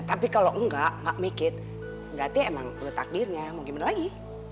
tapi kalau enggak enggak mikir berarti emang udah takdirnya mau gimana lagi